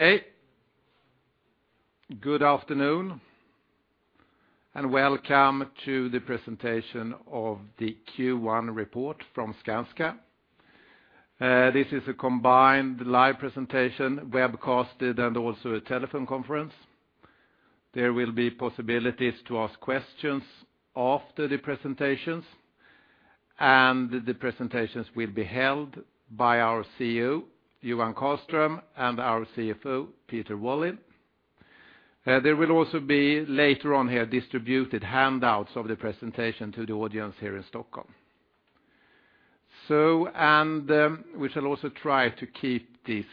Hey, good afternoon, and welcome to the presentation of the Q1 report from Skanska. This is a combined live presentation, webcasted, and also a telephone conference. There will be possibilities to ask questions after the presentations, and the presentations will be held by our CEO, Johan Karlström, and our CFO, Peter Wallin. There will also be, later on here, distributed handouts of the presentation to the audience here in Stockholm. So, and, we shall also try to keep this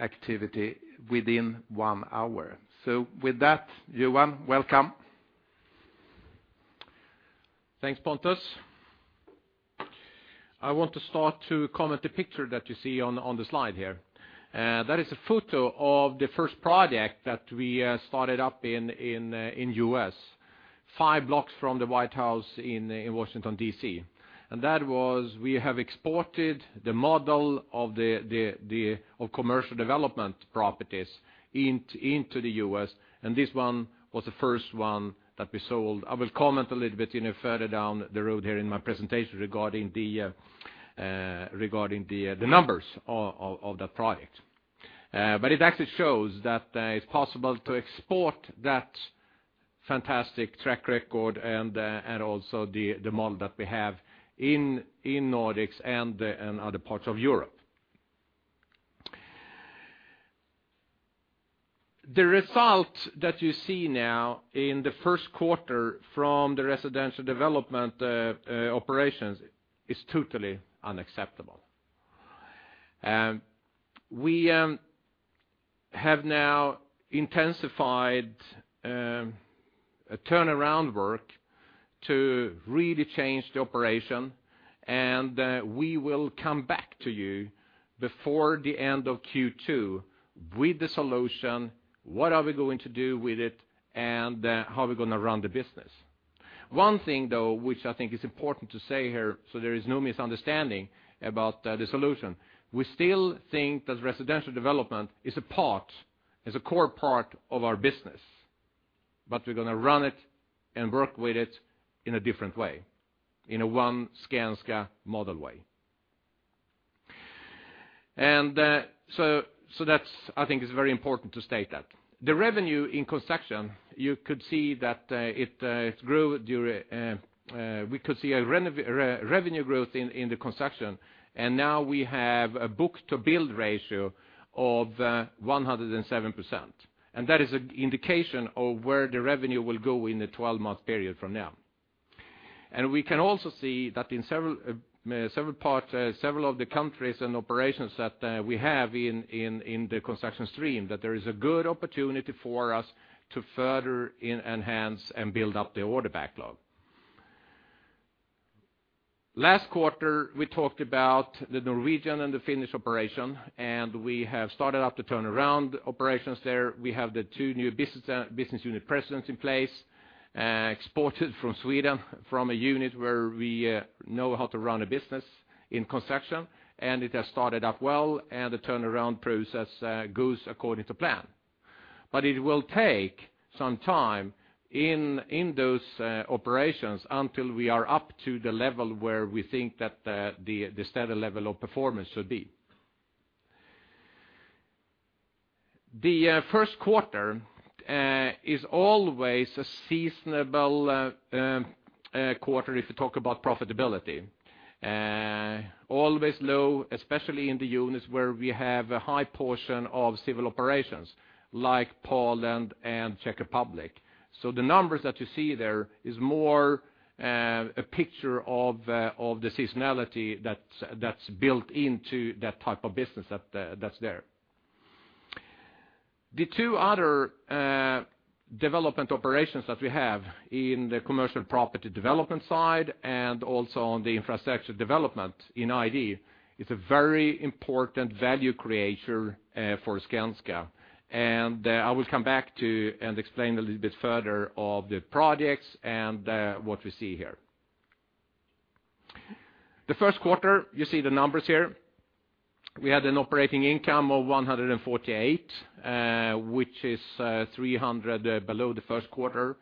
activity within one hour. So with that, Johan, welcome. Thanks, Pontus. I want to start to comment the picture that you see on the slide here. That is a photo of the first project that we started up in U.S., five blocks from the White House in Washington, D.C. And that was, we have exported the model of the commercial development properties into the U.S., and this one was the first one that we sold. I will comment a little bit, you know, further down the road here in my presentation regarding the numbers of that project. But it actually shows that it's possible to export that fantastic track record and also the model that we have in Nordics and other parts of Europe. The result that you see now in the first quarter from the residential development operations is totally unacceptable. We have now intensified a turnaround work to really change the operation, and we will come back to you before the end of Q2 with the solution, what are we going to do with it, and how we're going to run the business. One thing, though, which I think is important to say here, so there is no misunderstanding about the solution, we still think that residential development is a part, is a core part of our business, but we're going to run it and work with it in a different way, in a one Skanska model way. So that's, I think it's very important to state that. The revenue in construction, you could see that, it grew during, we could see a revenue growth in the construction, and now we have a book-to-build ratio of 107%. And that is an indication of where the revenue will go in the 12-month period from now. And we can also see that in several part, several of the countries and operations that we have in the construction stream, that there is a good opportunity for us to further enhance and build up the order backlog. Last quarter, we talked about the Norwegian and the Finnish operation, and we have started up the turnaround operations there. We have the two new business, business unit presidents in place, exported from Sweden, from a unit where we know how to run a business in construction, and it has started up well, and the turnaround process goes according to plan. But it will take some time in those operations until we are up to the level where we think that the standard level of performance should be. The first quarter is always a seasonal quarter, if you talk about profitability. Always low, especially in the units where we have a high portion of civil operations, like Poland and Czech Republic. So the numbers that you see there is more a picture of the seasonality that's built into that type of business that's there. The two other development operations that we have in the commercial property development side, and also on the infrastructure development in ID, is a very important value creator for Skanska. And I will come back to and explain a little bit further of the projects and what we see here. The first quarter, you see the numbers here. We had an operating income of 148, which is 300 below the first quarter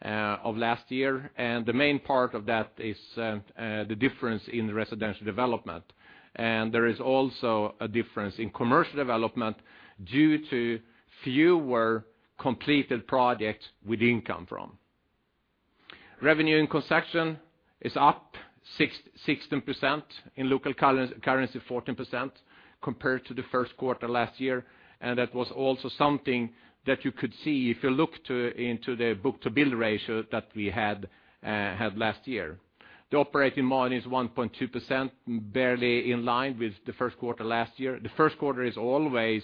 of last year. And the main part of that is the difference in residential development. And there is also a difference in commercial development due to fewer completed projects with income from. Revenue in construction is up 16%, in local currency, 14%, compared to the first quarter last year. That was also something that you could see if you look into the book-to-build ratio that we had last year. The operating margin is 1.2%, barely in line with the first quarter last year. The first quarter is always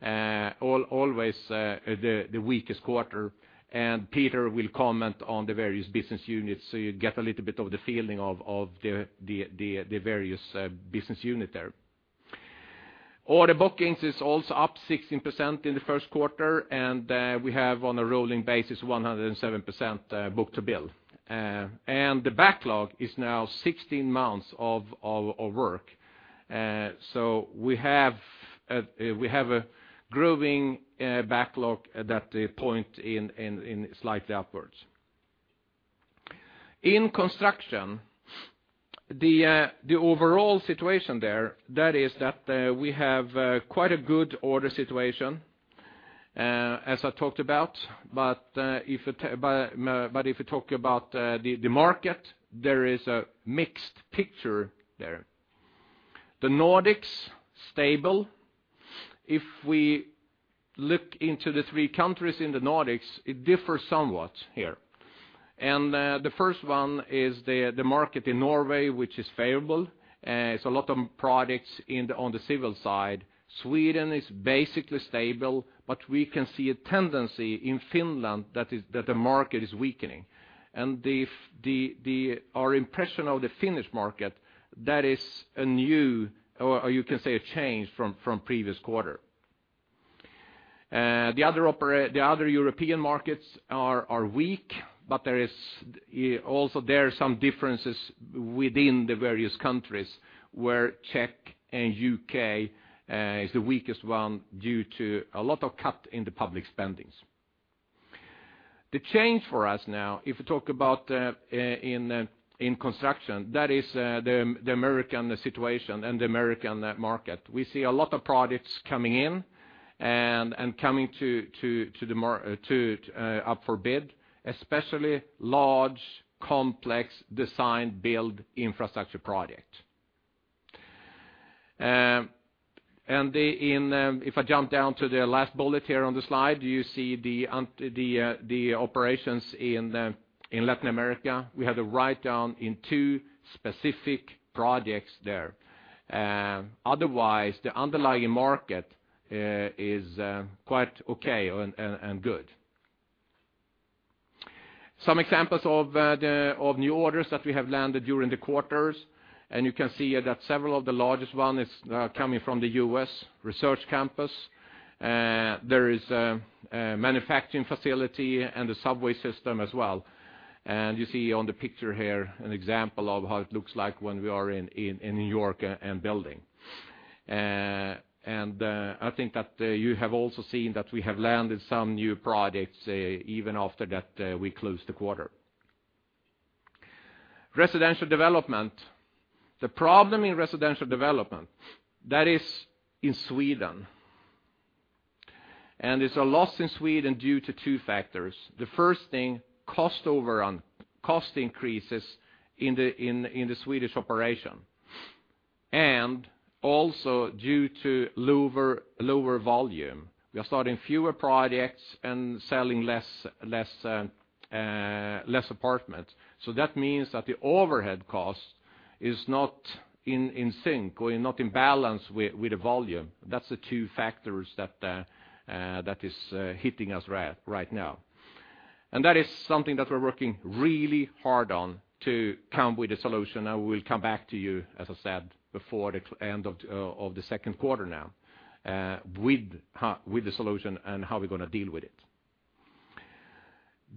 the weakest quarter, and Peter will comment on the various business units, so you get a little bit of the feeling of the various business unit there. Order bookings is also up 16% in the first quarter, and we have on a rolling basis, 107% book-to-build. And the backlog is now 16 months of work. So we have a growing backlog at that point in slightly upwards. In construction, the overall situation there, that is that we have quite a good order situation as I talked about. But if you talk about the market, there is a mixed picture there. The Nordics, stable. If we look into the three countries in the Nordics, it differs somewhat here. And the first one is the market in Norway, which is favorable. It's a lot of products on the civil side. Sweden is basically stable, but we can see a tendency in Finland that the market is weakening. And our impression of the Finnish market, that is a new, or you can say a change from previous quarter. The other European markets are weak, but there are also some differences within the various countries, where Czech and UK is the weakest one due to a lot of cut in the public spendings. The change for us now, if you talk about in construction, that is the American situation and the American market. We see a lot of products coming in, and coming to the market to up for bid, especially large, complex, design, build infrastructure project. If I jump down to the last bullet here on the slide, you see the operations in Latin America. We had a write-down in two specific projects there. Otherwise, the underlying market is quite okay and good. Some examples of new orders that we have landed during the quarters, and you can see that several of the largest one is coming from the U.S. Research Campus. There is a manufacturing facility and a subway system as well. You see on the picture here, an example of how it looks like when we are in New York and building. I think that you have also seen that we have landed some new projects even after that we closed the quarter. Residential development. The problem in residential development, that is in Sweden. It's a loss in Sweden due to two factors. The first thing, cost overrun, cost increases in the Swedish operation, and also due to lower volume. We are starting fewer projects and selling less apartments. So that means that the overhead cost is not in sync or not in balance with the volume. That's the two factors that is hitting us right now. That is something that we're working really hard on to come with a solution, and we'll come back to you, as I said, before the end of the second quarter now, with the solution and how we're gonna deal with it.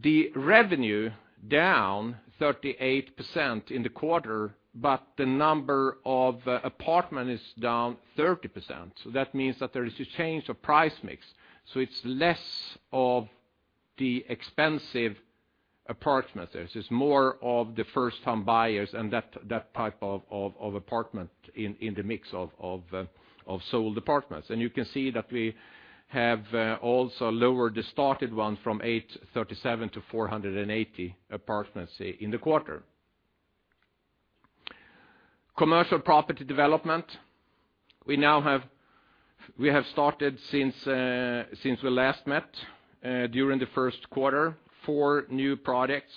The revenue down 38% in the quarter, but the number of apartment is down 30%. So that means that there is a change of price mix, so it's less of the expensive apartments. There's just more of the first-time buyers and that type of apartment in the mix of sold apartments. And you can see that we have also lowered the started one from 837-480 apartments in the quarter. Commercial property development, we now have, we have started since we last met during the first quarter, four new products.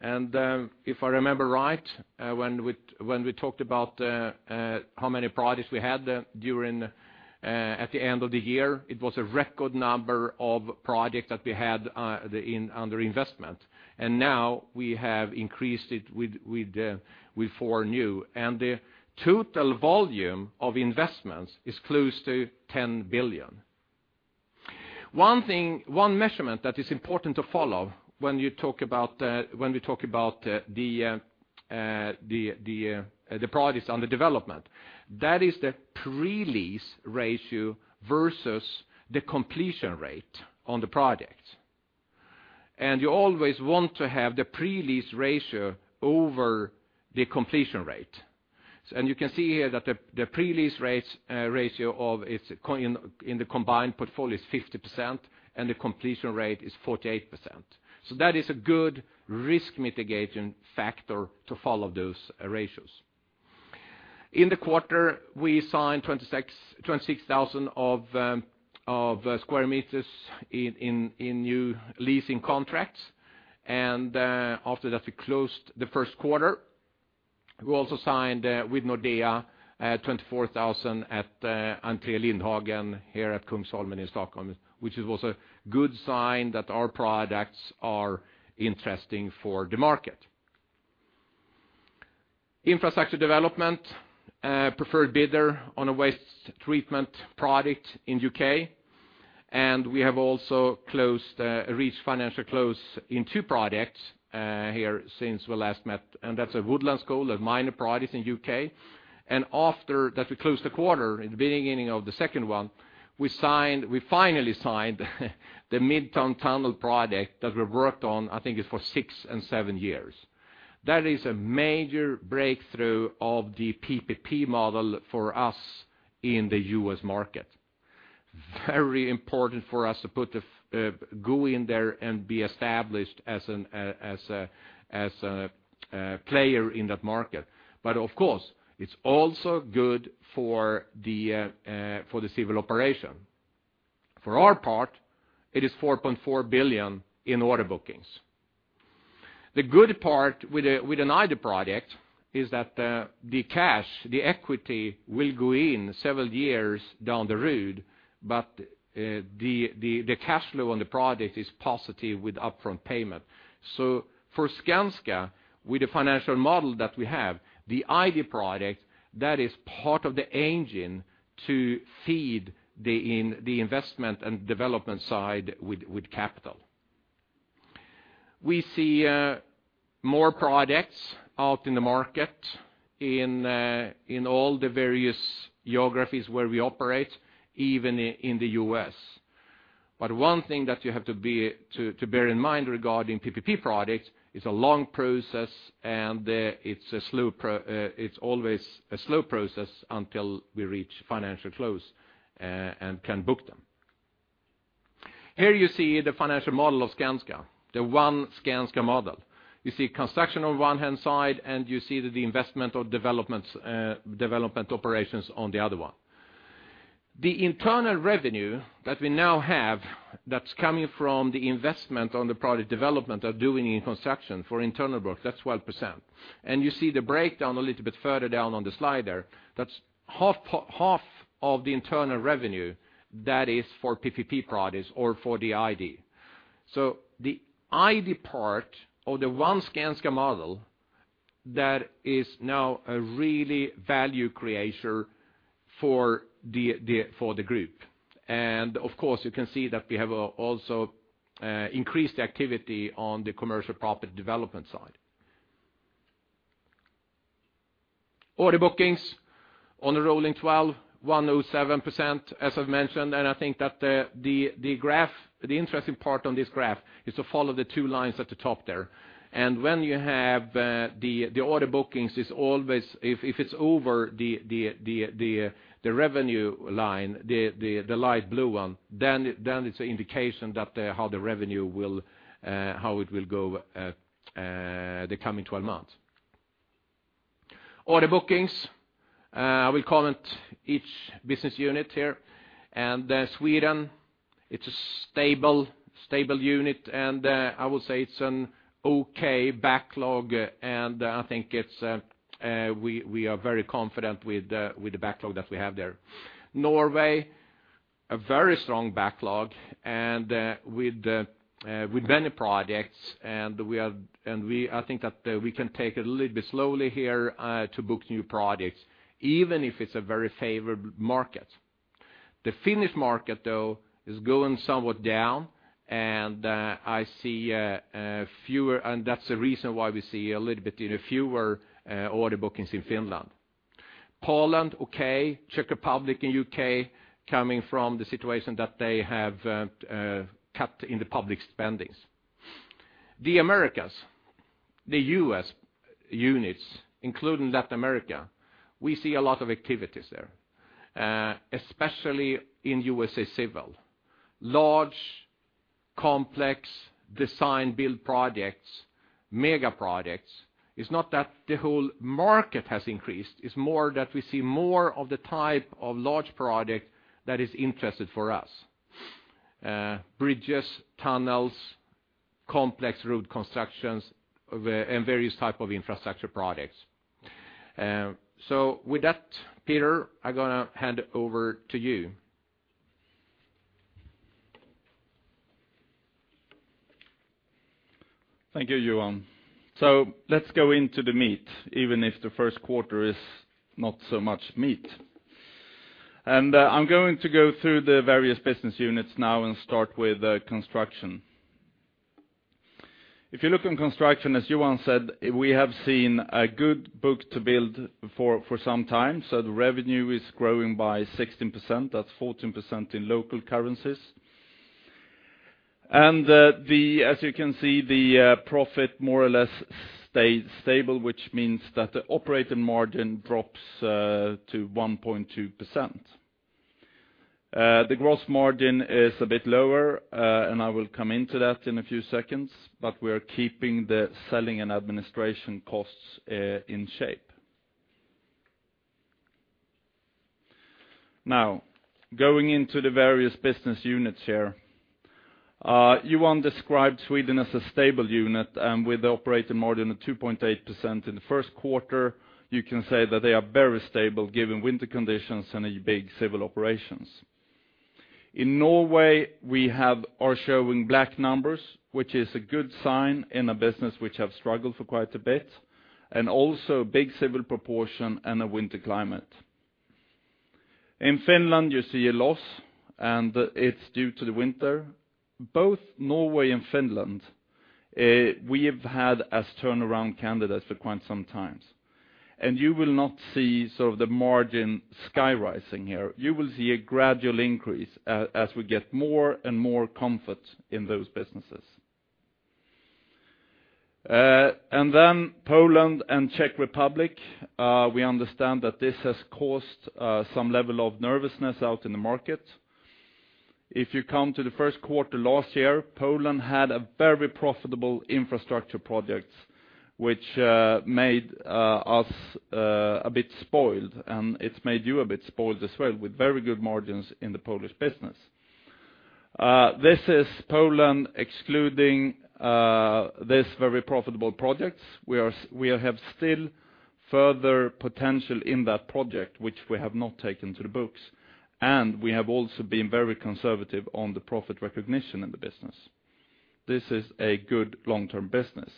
If I remember right, when we talked about how many products we had at the end of the year, it was a record number of products that we had in under investment. And now we have increased it with four new, and the total volume of investments is close to 10 billion. One thing, one measurement that is important to follow when we talk about the products on the development, that is the pre-lease ratio versus the completion rate on the product. And you always want to have the pre-lease ratio over the completion rate. So, and you can see here that the pre-lease ratio in the combined portfolio is 50%, and the completion rate is 48%. So that is a good risk mitigation factor to follow those ratios. In the quarter, we signed 26,000 square meters in new leasing contracts. And after that, we closed the first quarter. We also signed with Nordea 24,000 at Entré Lindhagen here at Kungsholmen in Stockholm, which is also a good sign that our products are interesting for the market. Infrastructure development preferred bidder on a waste treatment project in UK. And we have also reached financial close in two projects here since we last met, and that's a Woodlands School, a minor project in UK. After that, we closed the quarter. In the beginning of the second one, we finally signed the Midtown Tunnel project that we've worked on, I think it's for six or seven years. That is a major breakthrough of the PPP model for us in the U.S. market. Very important for us to go in there and be established as a player in that market. Of course, it's also good for the civil operation. For our part, it is 4.4 billion in order bookings. The good part with an ID project is that the cash, the equity will go in several years down the road, but the cash flow on the project is positive with upfront payment. So for Skanska, with the financial model that we have, the ID project, that is part of the engine to feed the investment and development side with capital. We see more projects out in the market, in all the various geographies where we operate, even in the U.S. But one thing that you have to bear in mind regarding PPP projects, it's a long process, and it's always a slow process until we reach financial close and can book them. Here you see the financial model of Skanska, the One Skanska Model. You see construction on one hand side, and you see the investment or developments, development operations on the other one. The internal revenue that we now have, that's coming from the investment on the project development of doing in construction for internal work, that's 12%. And you see the breakdown a little bit further down on the slide there, that's half half of the internal revenue, that is for PPP projects or for the ID. So the ID part or the One Skanska Model, that is now a really value creator for the group. And of course, you can see that we have also increased activity on the commercial property development side. Order bookings on the rolling 12, 107%, as I've mentioned, and I think that the graph, the interesting part on this graph, is to follow the two lines at the top there. When you have the order bookings is always—if it's over the revenue line, the light blue one, then it's an indication that how the revenue will how it will go the coming 12 months. Order bookings, I will comment each business unit here. Sweden, it's a stable unit, and I will say it's an okay backlog, and I think we are very confident with the backlog that we have there. Norway, a very strong backlog, and with many projects, and we I think that we can take it a little bit slowly here to book new projects, even if it's a very favored market. The Finnish market, though, is going somewhat down, and, I see, fewer, and that's the reason why we see a little bit, you know, fewer, order bookings in Finland. Poland, okay, Czech Republic and U.K., coming from the situation that they have, cut in the public spendings. The Americas, the U.S. units, including Latin America, we see a lot of activities there, especially in USA Civil. Large, complex, design, build projects, mega projects. It's not that the whole market has increased, it's more that we see more of the type of large project that is interesting for us. Bridges, tunnels, complex road constructions, and various type of infrastructure projects. So with that, Peter, I'm gonna hand it over to you. Thank you, Johan. So let's go into the meat, even if the first quarter is not so much meat. And, I'm going to go through the various business units now and start with construction. If you look on construction, as Johan said, we have seen a good book to build for some time. So the revenue is growing by 16%, that's 14% in local currencies. And, as you can see, the profit more or less stayed stable, which means that the operating margin drops to 1.2%. The gross margin is a bit lower, and I will come into that in a few seconds, but we are keeping the selling and administration costs in shape. Now, going into the various business units here, Johan described Sweden as a stable unit, and with the operating margin of 2.8% in the first quarter, you can say that they are very stable, given winter conditions and a big civil operations. In Norway, we are showing black numbers, which is a good sign in a business which have struggled for quite a bit, and also a big civil proportion and a winter climate. In Finland, you see a loss, and it's due to the winter. Both Norway and Finland, we have had as turnaround candidates for quite some times, and you will not see sort of the margin sky rising here. You will see a gradual increase as we get more and more comfort in those businesses. And then Poland and Czech Republic, we understand that this has caused some level of nervousness out in the market. If you come to the first quarter last year, Poland had a very profitable infrastructure project, which made us a bit spoiled, and it's made you a bit spoiled as well, with very good margins in the Polish business. This is Poland excluding this very profitable project. We have still further potential in that project, which we have not taken to the books, and we have also been very conservative on the profit recognition in the business. This is a good long-term business.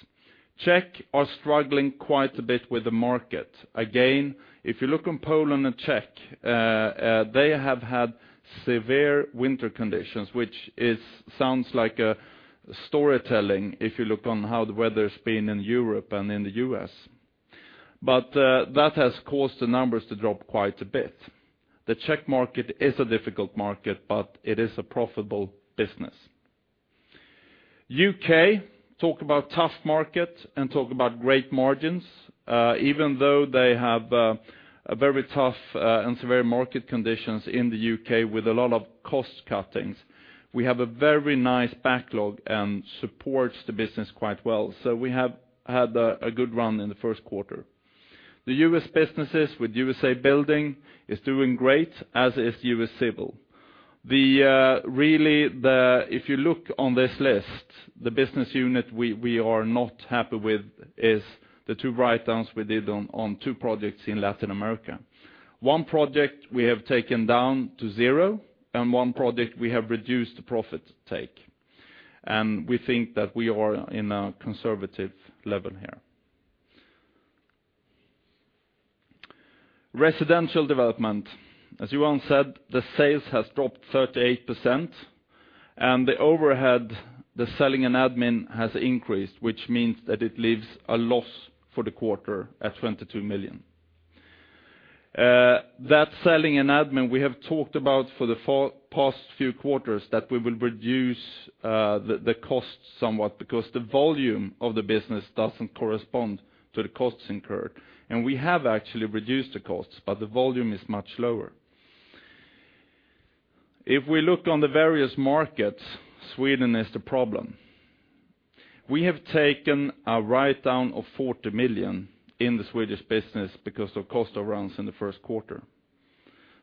Czech are struggling quite a bit with the market. Again, if you look on Poland and Czech, they have had severe winter conditions, which is, sounds like, storytelling if you look on how the weather's been in Europe and in the U.S. But, that has caused the numbers to drop quite a bit. The Czech market is a difficult market, but it is a profitable business. U.K., talk about tough market and talk about great margins. Even though they have a very tough and severe market conditions in the U.K. with a lot of cost cuttings, we have a very nice backlog and supports the business quite well. So we have had a good run in the first quarter. The U.S. businesses with USA Building is doing great, as is U.S. Civil. The, really, the... If you look on this list, the business unit we are not happy with is the two write-downs we did on two projects in Latin America. One project we have taken down to zero, and one project we have reduced the profit take, and we think that we are in a conservative level here. Residential development. As Johan said, the sales has dropped 38%, and the overhead, the selling and admin, has increased, which means that it leaves a loss for the quarter at 22 million. That selling and admin, we have talked about for the past few quarters, that we will reduce the cost somewhat, because the volume of the business doesn't correspond to the costs incurred. And we have actually reduced the costs, but the volume is much lower. If we look on the various markets, Sweden is the problem. We have taken a write-down of 40 million in the Swedish business because of cost overruns in the first quarter.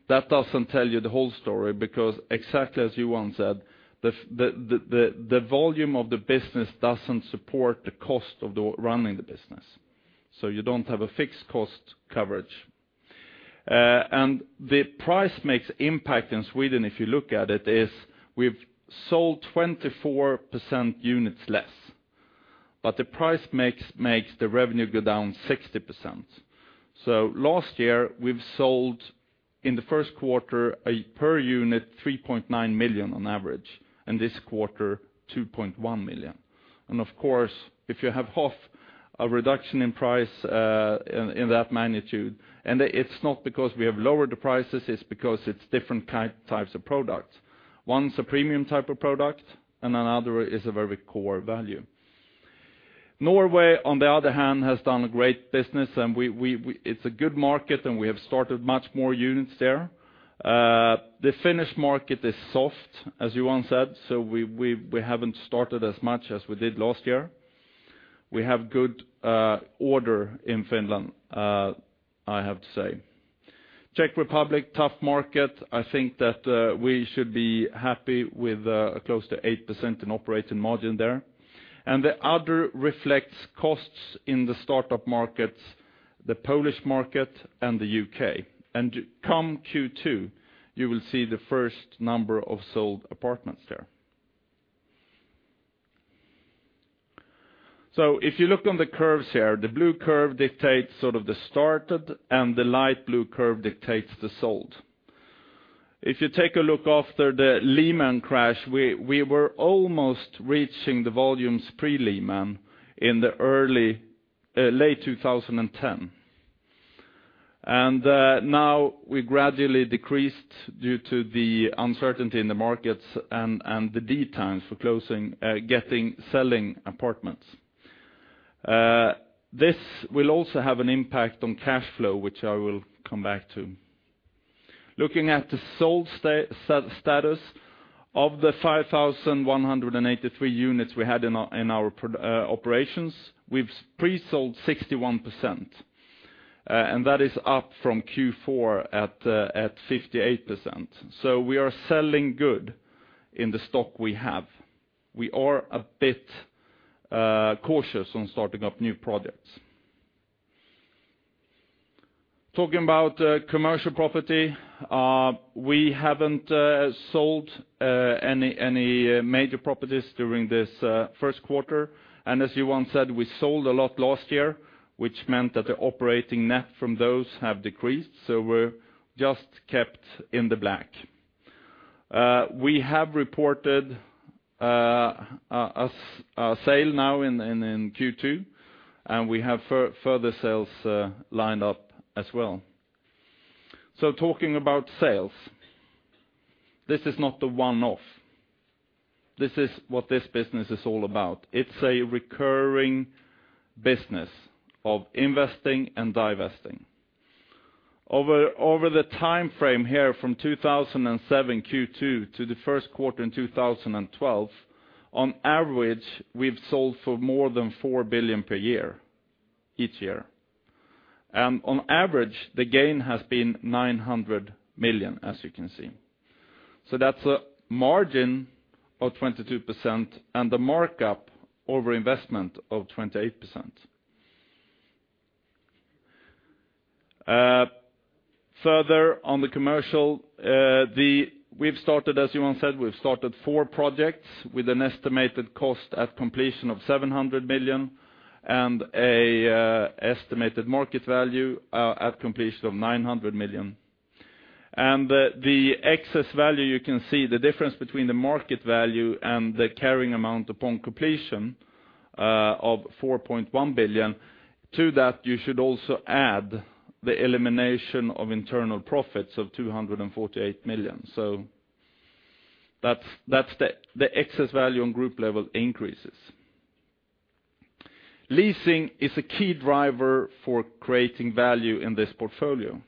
That doesn't tell you the whole story, because exactly as Johan said, the volume of the business doesn't support the cost of running the business, so you don't have fixed cost coverage. And the price impact in Sweden, if you look at it, is we've sold 24% units less, but the price makes the revenue go down 60%. So last year, we've sold, in the first quarter, an average per unit 3.9 million, and this quarter, 2.1 million. And of course, if you have half a reduction in price, in that magnitude, and it's not because we have lowered the prices, it's because it's different kinds, types of products. One's a premium type of product, and another is a very core value. Norway, on the other hand, has done a great business, and we—it's a good market, and we have started much more units there. The Finnish market is soft, as Johan said, so we haven't started as much as we did last year. We have good order in Finland, I have to say. Czech Republic, tough market. I think that we should be happy with close to 8% in operating margin there. And the other reflects costs in the startup markets, the Polish market, and the UK. And come Q2, you will see the first number of sold apartments there. So if you look on the curves here, the blue curve dictates sort of the started, and the light blue curve dictates the sold. If you take a look after the Lehman crash, we were almost reaching the volumes pre-Lehman in the early late 2010. Now we gradually decreased due to the uncertainty in the markets and the lead times for closing, getting, selling apartments. This will also have an impact on cash flow, which I will come back to. Looking at the sold status of the 5,183 units we had in our production operations, we've pre-sold 61%, and that is up from Q4 at 58%. So we are selling good in the stock we have. We are a bit cautious on starting up new projects. Talking about commercial property, we haven't sold any major properties during this first quarter. And as Johan said, we sold a lot last year, which meant that the operating net from those have decreased, so we're just kept in the black.... We have reported a sale now in Q2, and we have further sales lined up as well. So talking about sales, this is not a one-off. This is what this business is all about. It's a recurring business of investing and divesting. Over the time frame here from 2007 Q2 to the first quarter in 2012, on average, we've sold for more than 4 billion per year, each year. And on average, the gain has been 900 million, as you can see. So that's a margin of 22% and the markup over investment of 28%. Further on the commercial, we've started, as Johan said, we've started four projects with an estimated cost at completion of 700 million, and an estimated market value at completion of 900 million. And the excess value, you can see the difference between the market value and the carrying amount upon completion of 4.1 billion. To that, you should also add the elimination of internal profits of 248 million. So that's the excess value on group level increases. Leasing is a key driver for creating value in this portfolio.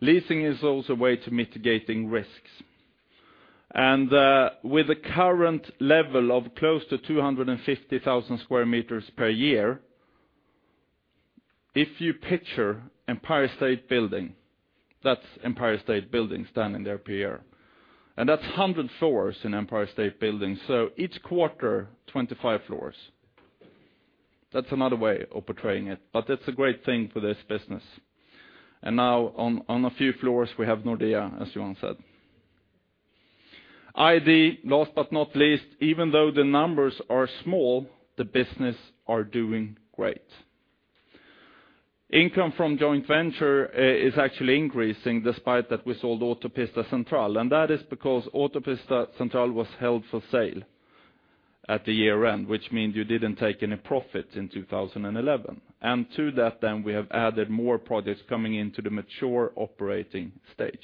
Leasing is also a way to mitigating risks. And with the current level of close to 250,000 square meters per year, if you picture Empire State Building, that's Empire State Building standing there, Per. That's 100 floors in Empire State Building, so each quarter, 25 floors. That's another way of portraying it, but it's a great thing for this business. Now on a few floors, we have Nordea, as Johan said. ID, last but not least, even though the numbers are small, the business are doing great. Income from joint venture is actually increasing despite that we sold Autopista Central, and that is because Autopista Central was held for sale at the year-end, which means you didn't take any profit in 2011. And to that, then, we have added more projects coming into the mature operating stage.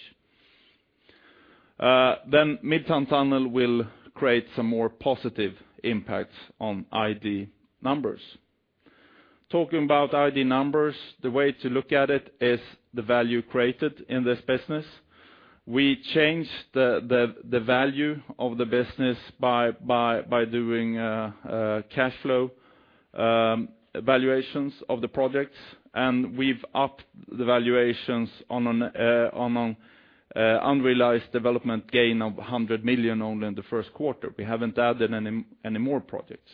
Midtown Tunnel will create some more positive impacts on ID numbers. Talking about ID numbers, the way to look at it is the value created in this business. We changed the value of the business by doing cash flow valuations of the projects, and we've upped the valuations on an unrealized development gain of 100 million only in the first quarter. We haven't added any more projects.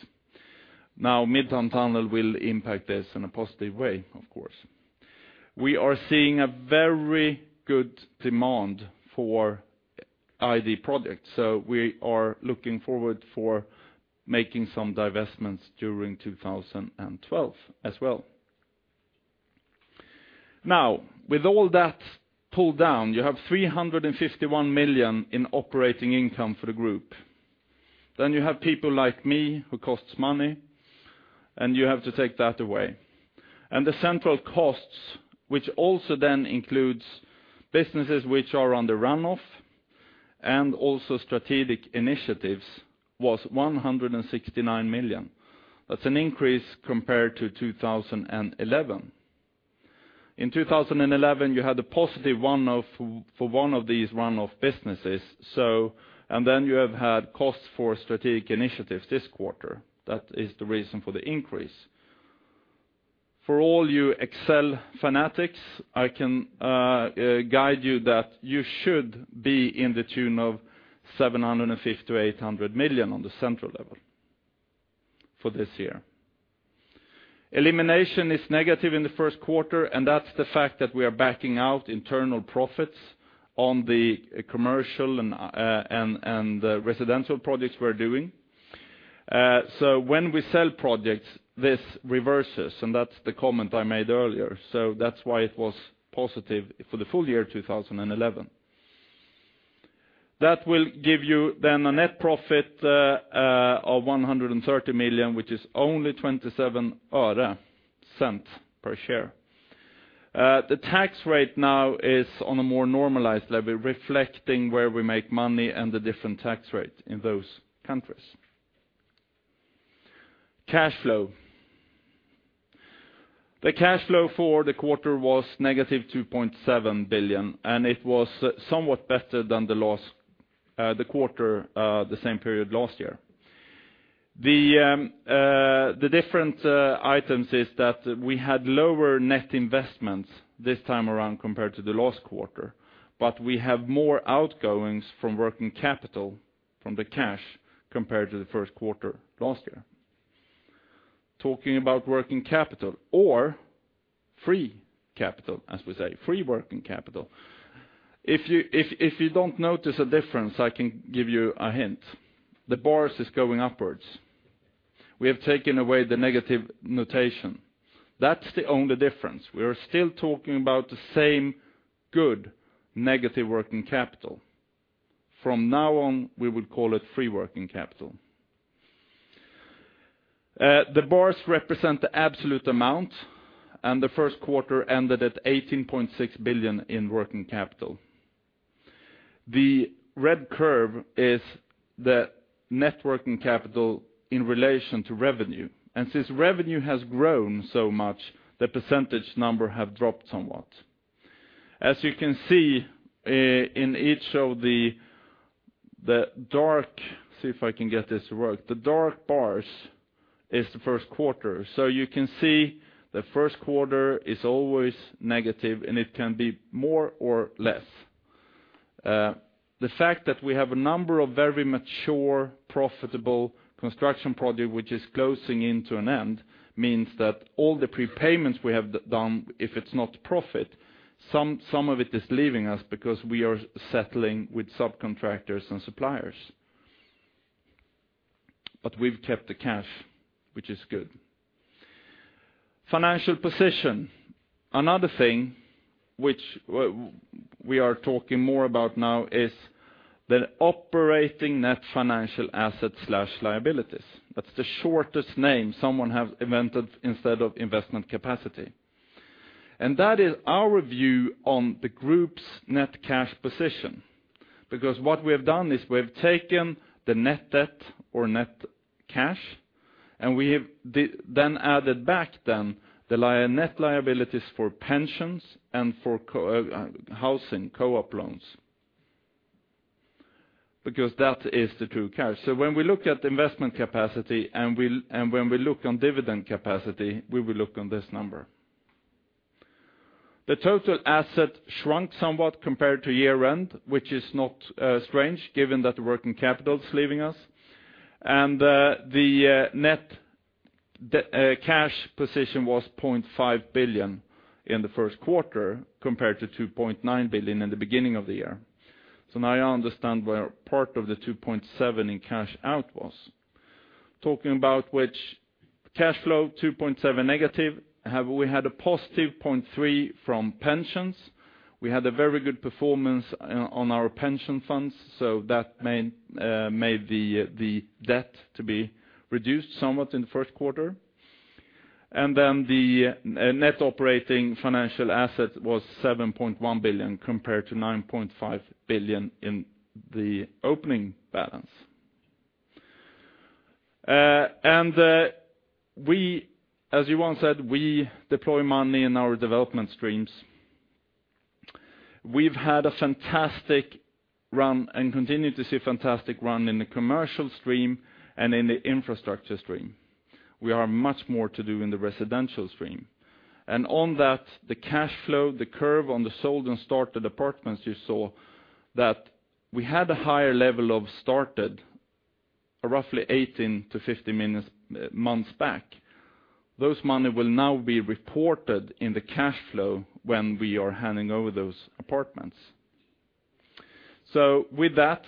Now, Midtown Tunnel will impact this in a positive way, of course. We are seeing a very good demand for ID projects, so we are looking forward for making some divestments during 2012 as well. Now, with all that pulled down, you have 351 million in operating income for the group. Then, you have people like me, who costs money, and you have to take that away. And the central costs, which also then includes businesses which are on the run-off, and also strategic initiatives, was 169 million. That's an increase compared to 2011. In 2011, you had a positive one-off for one of these run-off businesses, so... Then you have had costs for strategic initiatives this quarter. That is the reason for the increase. For all you Excel fanatics, I can guide you that you should be in the tune of 750-800 million on the central level for this year. Elimination is negative in the first quarter, and that's the fact that we are backing out internal profits on the commercial and residential projects we're doing. So when we sell projects, this reverses, and that's the comment I made earlier, so that's why it was positive for the full year 2011. That will give you then a net profit of 130 million, which is only 27 öre per share. The tax rate now is on a more normalized level, reflecting where we make money and the different tax rates in those countries. Cash flow. The cash flow for the quarter was -2.7 billion, and it was somewhat better than the last, the quarter, the same period last year. The different items is that we had lower net investments this time around compared to the last quarter, but we have more outgoings from working capital, from the cash, compared to the first quarter last year. Talking about working capital or free capital, as we say, free working capital. If you don't notice a difference, I can give you a hint. The bars is going upwards... We have taken away the negative notation. That's the only difference. We are still talking about the same good negative working capital. From now on, we will call it free working capital. The bars represent the absolute amount, and the first quarter ended at 18.6 billion in working capital. The red curve is the net working capital in relation to revenue, and since revenue has grown so much, the percentage number have dropped somewhat. As you can see, in each of the, the dark- see if I can get this to work, the dark bars is the first quarter. So you can see the first quarter is always negative, and it can be more or less. The fact that we have a number of very mature, profitable construction project, which is closing in to an end, means that all the prepayments we have done, if it's not profit, some, some of it is leaving us because we are settling with subcontractors and suppliers. But we've kept the cash, which is good. Financial position. Another thing which we are talking more about now is the operating net financial assets/liabilities. That's the shortest name someone has invented instead of investment capacity. And that is our view on the group's net cash position. Because what we have done is we have taken the net debt or net cash, and we have then added back the net liabilities for pensions and for housing, co-op loans. Because that is the true cash. So when we look at investment capacity, and we'll and when we look on dividend capacity, we will look on this number. The total asset shrunk somewhat compared to year-end, which is not strange, given that the working capital is leaving us. And the net cash position was 0.5 billion in the first quarter, compared to 2.9 billion in the beginning of the year. So now you understand where part of the 2.7 in cash out was. Talking about which cash flow, 2.7 negative, we had a positive 0.3 from pensions. We had a very good performance on our pension funds, so that made the debt to be reduced somewhat in the first quarter. Then the net operating financial asset was 7.1 billion, compared to 9.5 billion in the opening balance. And we, as Johan said, we deploy money in our development streams. We've had a fantastic run, and continue to see a fantastic run in the commercial stream and in the infrastructure stream. We are much more to do in the residential stream. And on that, the cash flow, the curve on the sold and started apartments, you saw that we had a higher level of started, roughly 18-15 months back. Those money will now be reported in the cash flow when we are handing over those apartments. So with that,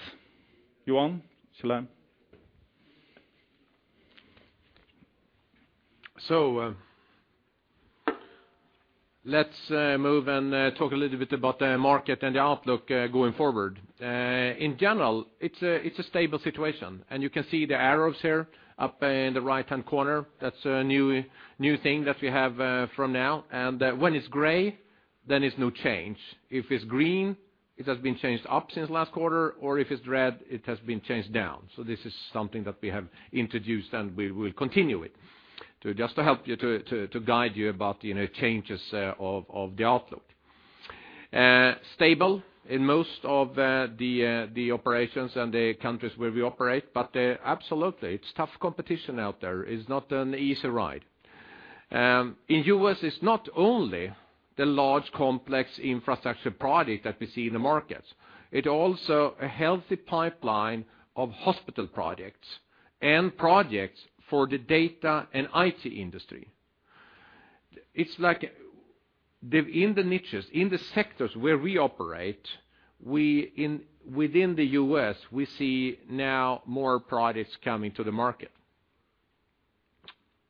Johan. [inaudible] So, let's move and talk a little bit about the market and the outlook going forward. In general, it's a stable situation, and you can see the arrows here up in the right-hand corner. That's a new thing that we have from now. And when it's gray, then it's no change. If it's green, it has been changed up since last quarter, or if it's red, it has been changed down. So this is something that we have introduced, and we will continue it, to just help you to guide you about, you know, changes of the outlook. Stable in most of the operations and the countries where we operate, but absolutely, it's tough competition out there. It's not an easy ride. In the U.S., it's not only the large, complex infrastructure project that we see in the markets, it's also a healthy pipeline of hospital projects and projects for the data and IT industry. It's like, in the niches, in the sectors where we operate, within the U.S., we see now more products coming to the market.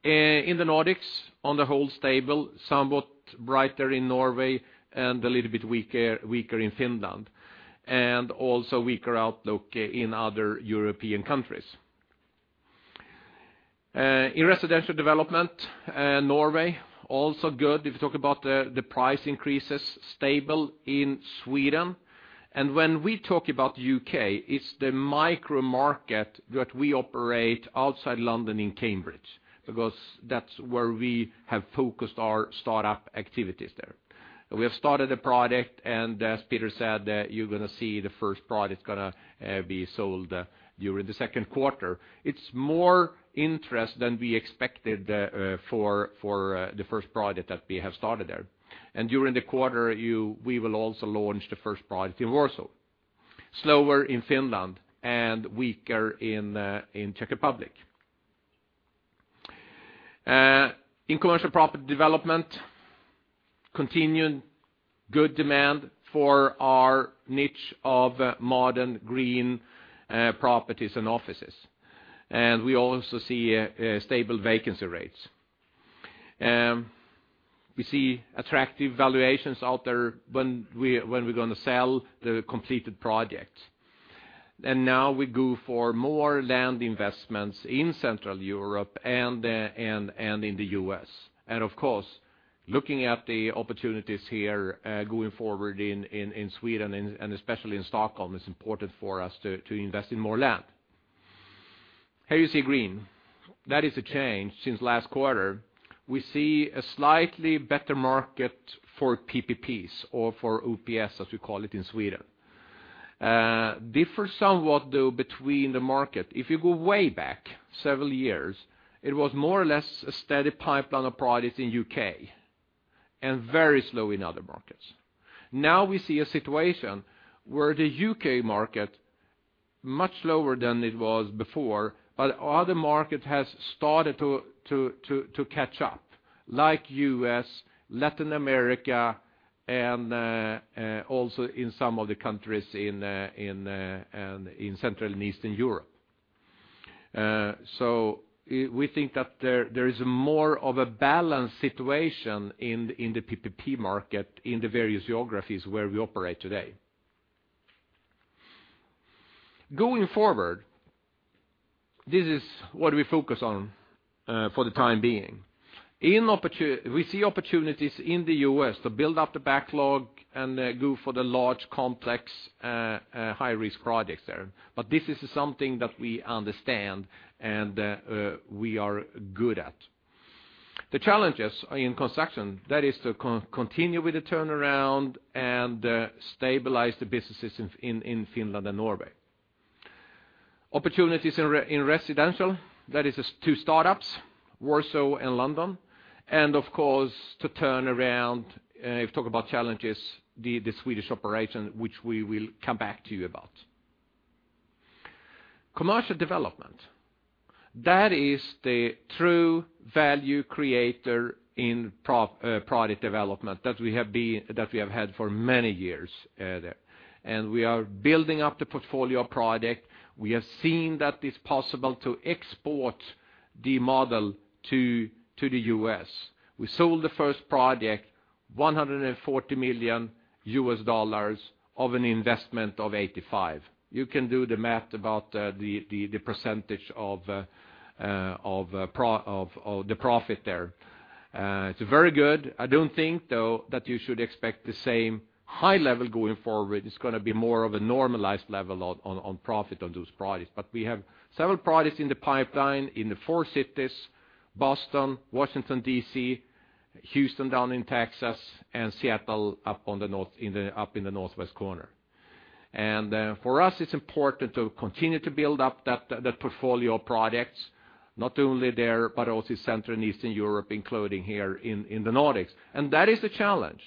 In the Nordics, on the whole, stable, somewhat brighter in Norway and a little bit weaker in Finland, and also weaker outlook in other European countries. In residential development, Norway also good, if you talk about the price increases, stable in Sweden. When we talk about the U.K., it's the micro market that we operate outside London in Cambridge, because that's where we have focused our start-up activities there. We have started a project, and as Peter said, you're gonna see the first product is gonna be sold during the second quarter. It's more interest than we expected for the first project that we have started there. And during the quarter, we will also launch the first project in Warsaw. Slower in Finland and weaker in Czech Republic. In commercial property development continued good demand for our niche of modern green properties and offices. And we also see stable vacancy rates. We see attractive valuations out there when we, when we're gonna sell the completed projects. And now we go for more land investments in Central Europe and in the U.S. Of course, looking at the opportunities here, going forward in Sweden and especially in Stockholm, it's important for us to invest in more land. Here you see green. That is a change since last quarter. We see a slightly better market for PPPs or for OPS, as we call it in Sweden. Differ somewhat though, between the market. If you go way back several years, it was more or less a steady pipeline of projects in U.K., and very slow in other markets. Now, we see a situation where the U.K. market, much lower than it was before, but other market has started to catch up, like U.S., Latin America, and also in some of the countries in Central and Eastern Europe. So we think that there is more of a balanced situation in the PPP market in the various geographies where we operate today. Going forward, this is what we focus on for the time being. We see opportunities in the U.S. to build up the backlog and go for the large, complex, high-risk projects there. But this is something that we understand and we are good at. The challenges are in construction. That is to continue with the turnaround and stabilize the businesses in Finland and Norway. Opportunities in residential, that is two startups, Warsaw and London, and of course, to turn around, if you talk about challenges, the Swedish operation, which we will come back to you about. Commercial development, that is the true value creator in product development that we have had for many years, there. And we are building up the portfolio of project. We have seen that it's possible to export the model to the U.S. We sold the first project, $140 million of an investment of $85 million. You can do the math about the percentage of the profit there. It's very good. I don't think, though, that you should expect the same high level going forward. It's gonna be more of a normalized level on profit on those projects. But we have several projects in the pipeline in the four cities, Boston, Washington, D.C., Houston, down in Texas, and Seattle, up on the north, up in the northwest corner. And for us, it's important to continue to build up that, the portfolio of projects, not only there, but also Central and Eastern Europe, including here in the Nordics. And that is a challenge,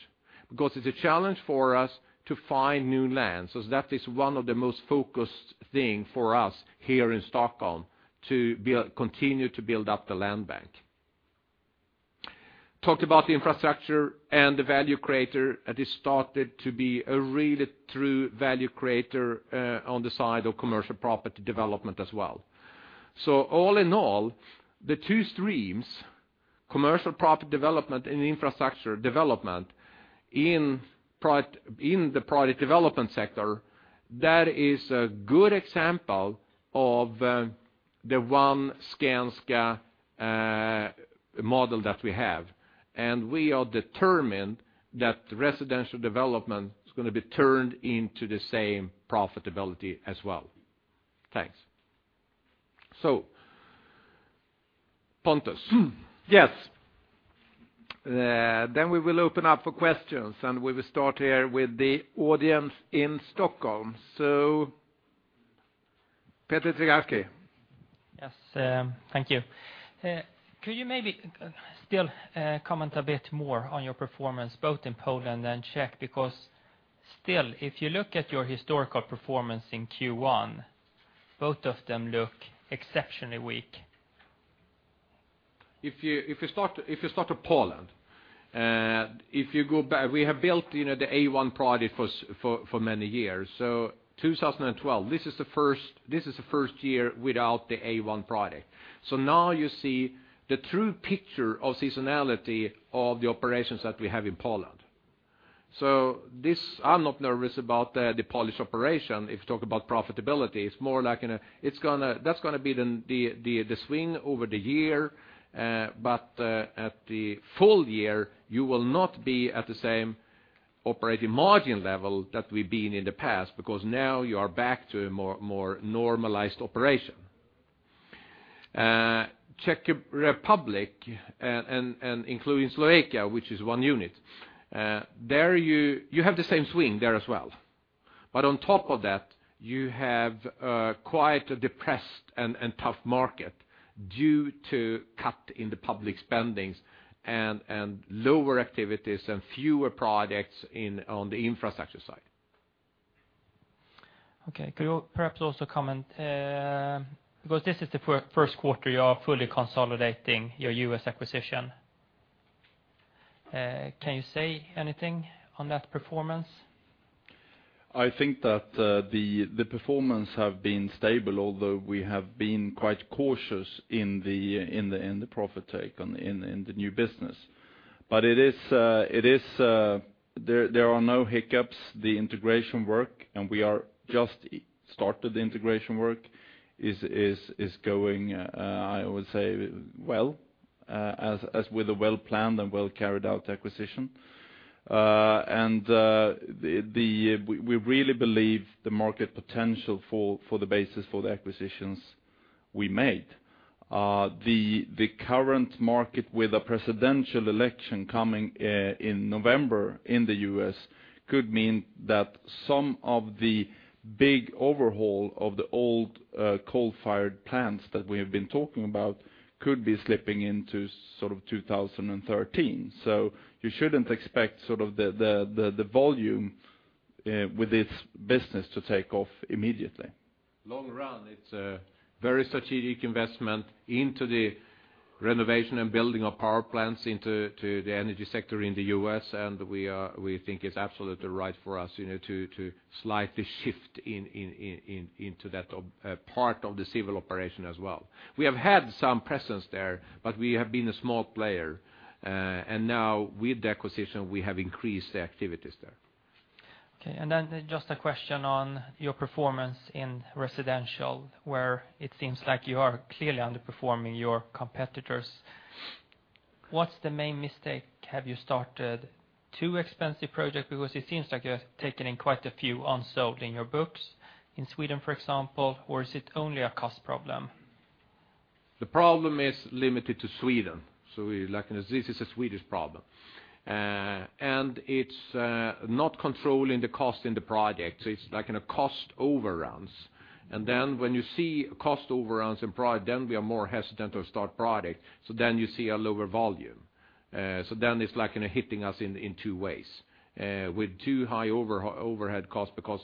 because it's a challenge for us to find new lands. So that is one of the most focused thing for us here in Stockholm, to build, continue to build up the land bank. Talked about the infrastructure and the value creator, and it started to be a really true value creator on the side of commercial property development as well. So all in all, the two streams, commercial property development and infrastructure development in product, in the product development sector, that is a good example of the One Skanska model that we have. And we are determined that residential development is gonna be turned into the same profitability as well. Thanks. So, Pontus? Yes. Then we will open up for questions, and we will start here with the audience in Stockholm. So Petr Cigánek. Yes, thank you. Could you maybe still comment a bit more on your performance, both in Poland and Czech? Because still, if you look at your historical performance in Q1, both of them look exceptionally weak. If you start with Poland, if you go back, we have built, you know, the A1 project for many years. So 2012, this is the first year without the A1 project. So now you see the true picture of seasonality of the operations that we have in Poland. So this, I'm not nervous about the Polish operation, if you talk about profitability. It's more like it's gonna be the swing over the year, but at the full year, you will not be at the same operating margin level that we've been in the past, because now you are back to a more normalized operation. Czech Republic and including Slovakia, which is one unit, there you have the same swing there as well. But on top of that, you have quite a depressed and tough market due to cut in the public spending and lower activities and fewer projects in on the infrastructure side.... Okay, could you perhaps also comment, because this is the first quarter you are fully consolidating your U.S. acquisition. Can you say anything on that performance? I think that the performance have been stable, although we have been quite cautious in the profit take on in the new business. But it is there are no hiccups. The integration work, and we are just started the integration work, is going, I would say well, as with a well-planned and well-carried-out acquisition. And we really believe the market potential for the basis for the acquisitions we made. The current market with a presidential election coming in November in the U.S. could mean that some of the big overhaul of the old coal-fired plants that we have been talking about could be slipping into sort of 2013. You shouldn't expect sort of the volume with this business to take off immediately. Long run, it's a very strategic investment into the renovation and building of power plants into the energy sector in the U.S., and we think it's absolutely right for us, you know, to slightly shift into that part of the civil operation as well. We have had some presence there, but we have been a small player, and now with the acquisition, we have increased the activities there. Okay, and then just a question on your performance in residential, where it seems like you are clearly underperforming your competitors. What's the main mistake? Have you started too expensive project? Because it seems like you have taken in quite a few unsold in your books, in Sweden, for example, or is it only a cost problem? The problem is limited to Sweden, so we like, this is a Swedish problem. And it's not controlling the cost in the project. It's like in a cost overruns. And then when you see cost overruns in project, then we are more hesitant to start project, so then you see a lower volume. So then it's like kind of hitting us in two ways. With two high overhead costs, because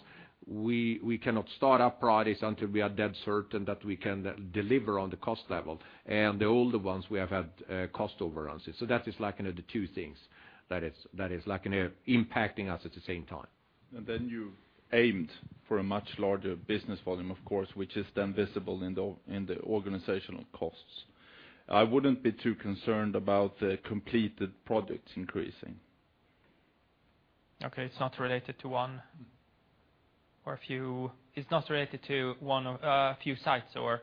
we cannot start up projects until we are dead certain that we can deliver on the cost level, and the older ones we have had cost overruns. So that is like, you know, the two things that is, that is like impacting us at the same time. And then you aimed for a much larger business volume, of course, which is then visible in the organizational costs. I wouldn't be too concerned about the completed projects increasing. Okay, it's not related to one or a few... It's not related to one of, a few sites, or?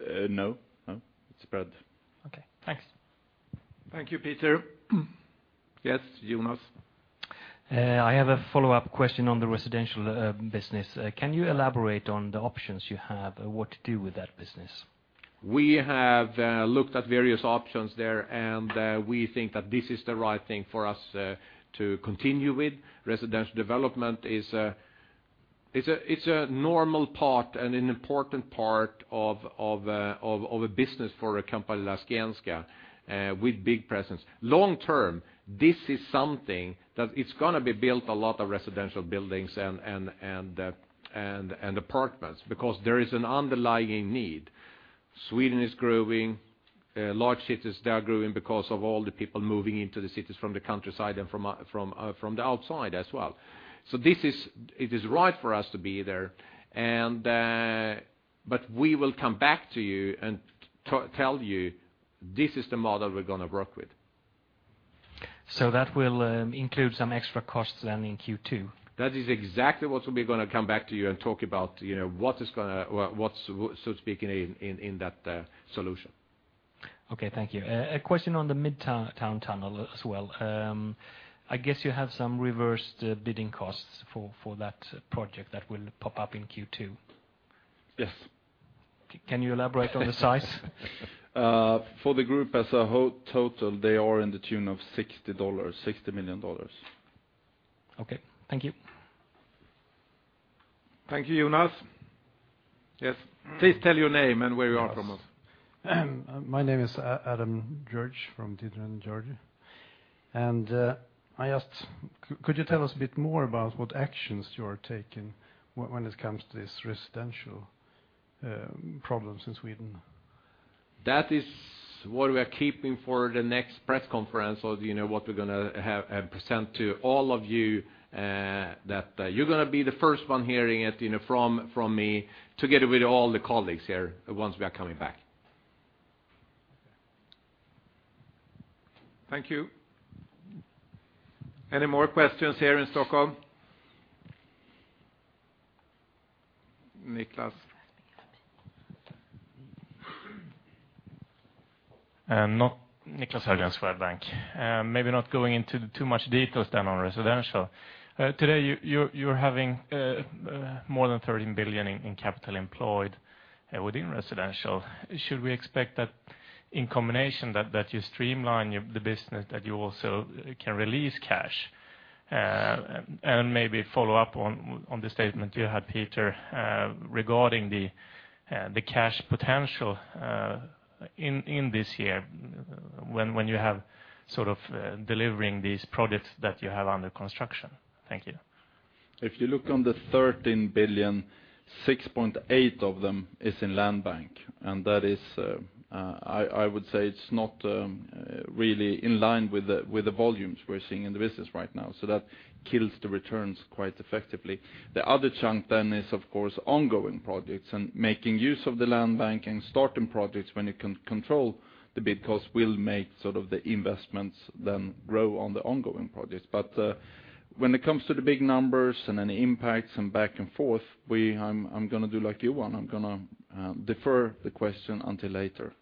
No, no, it's spread. Okay, thanks. Thank you, Peter. Yes, Jonas. I have a follow-up question on the residential business. Can you elaborate on the options you have, what to do with that business? We have looked at various options there, and we think that this is the right thing for us to continue with. Residential development is a normal part and an important part of a business for a company, Skanska, with big presence. Long term, this is something that it's gonna be built a lot of residential buildings and apartments, because there is an underlying need. Sweden is growing, large cities, they are growing because of all the people moving into the cities from the countryside and from the outside as well. So this is... It is right for us to be there, and but we will come back to you and tell you, this is the model we're gonna work with. So that will include some extra costs then in Q2? That is exactly what we're gonna come back to you and talk about, you know, what is gonna, what, what's so speaking in that solution. Okay, thank you. A question on the Midtown Tunnel as well. I guess you have some reversed bidding costs for, for that project that will pop up in Q2. Yes. Can you elaborate on the size? For the group as a whole total, they are in the tune of $60 million. Okay. Thank you. Thank you, Jonas. Yes, please tell your name and where you are from us. My name is Adam George from Dieter and George. And I asked, could you tell us a bit more about what actions you are taking when it comes to this residential problems in Sweden? That is what we are keeping for the next press conference, or you know, what we're gonna have present to all of you, that you're gonna be the first one hearing it, you know, from, from me, together with all the colleagues here, once we are coming back. Thank you. Any more questions here in Stockholm? Niclas. Niclas Höglund, Swedbank. Maybe not going into too much details then on residential. Today, you're having more than 13 billion in capital employed within residential. Should we expect that in combination, that you streamline your the business, that you also can release cash? And maybe follow up on the statement you had, Peter, regarding the cash potential in this year, when you have sort of delivering these products that you have under construction. Thank you.... If you look on the 13 billion, 6.8 billion of them is in land bank, and that is, I would say it's not really in line with the volumes we're seeing in the business right now, so that kills the returns quite effectively. The other chunk then is, of course, ongoing projects, and making use of the land bank and starting projects when you can control the bid costs will make sort of the investments then grow on the ongoing projects. But when it comes to the big numbers and any impacts, and back and forth, I'm gonna do like you, Juan, I'm gonna defer the question until later.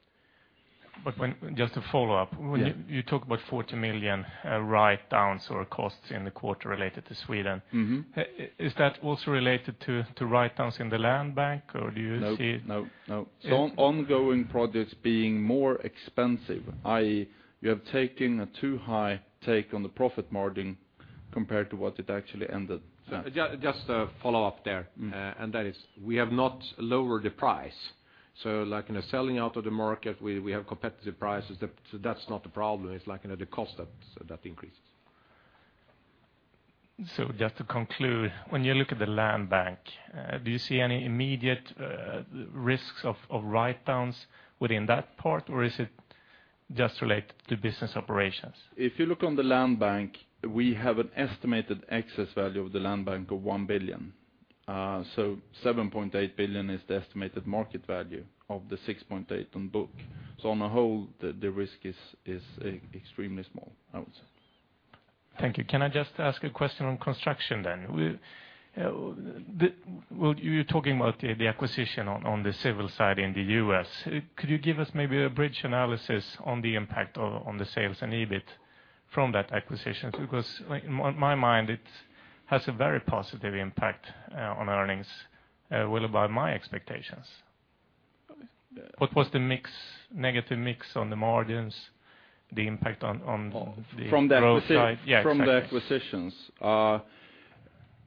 But when, just a follow-up. Yeah. When you, you talk about 40 million write-downs or costs in the quarter related to Sweden- Mm-hmm. Is that also related to, to write-downs in the land bank, or do you see- No, no, no. So- Ongoing projects being more expensive, i.e., we have taken a too-high take on the profit margin compared to what it actually ended, so. Just a follow-up there. Mm-hmm. And that is, we have not lowered the price. So like in a selling out of the market, we have competitive prices. That, so that's not the problem. It's like, you know, the cost that increases. Just to conclude, when you look at the land bank, do you see any immediate risks of write-downs within that part? Or is it just related to business operations? If you look on the land bank, we have an estimated excess value of the land bank of 1 billion. So 7.8 billion is the estimated market value of the 6.8 billion on book. So on the whole, the risk is extremely small, I would say. Thank you. Can I just ask a question on construction, then? Well, you're talking about the acquisition on the civil side in the U.S. Could you give us maybe a bridge analysis on the impact on the sales and EBIT from that acquisition? Because, like, in my mind, it has a very positive impact on earnings, well, above my expectations. What was the mix, negative mix on the margins, the impact on the- From the acquisition- growth side? Yeah, exactly. From the acquisitions.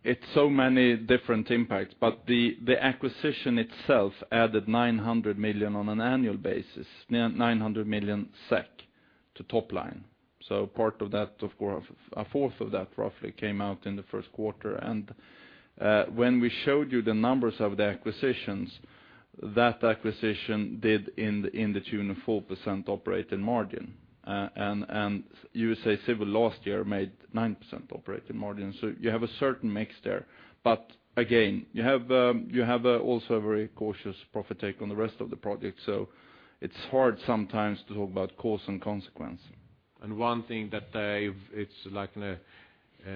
It's so many different impacts, but the acquisition itself added 900 million on an annual basis, 900 million SEK to top line. So part of that, of course, a fourth of that roughly came out in the first quarter. And when we showed you the numbers of the acquisitions, that acquisition did in the tune of 4% operating margin. And USA Civil last year made 9% operating margin, so you have a certain mix there. But again, you have also a very cautious profit take on the rest of the project, so it's hard sometimes to talk about cause and consequence. And one thing that I've, it's like,